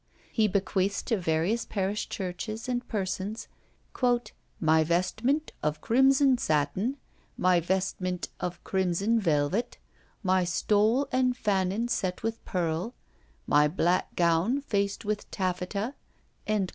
He bequeaths to various parish churches and persons, "My vestment of crimson satin my vestment of crimson velvet my stole and fanon set with pearl my black gown faced with taffeta," &c.